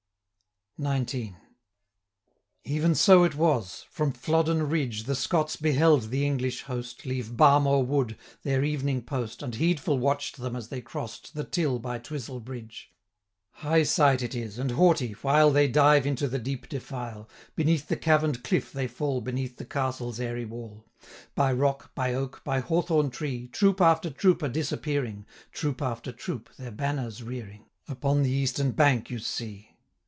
XIX. Even so it was. From Flodden ridge The Scots beheld the English host 570 Leave Barmore wood, their evening post, And heedful watch'd them as they cross'd The Till by Twisel Bridge. High sight it is, and haughty, while They dive into the deep defile; 575 Beneath the cavern'd cliff they fall, Beneath the castle's airy wall. By rock, by oak, by hawthorn tree, Troop after troop are disappearing; Troop after troop their banners rearing, 580 Upon the eastern bank you see.